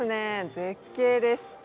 絶景です。